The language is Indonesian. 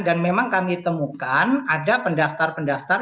dan memang kami temukan ada pendaftar pendaftar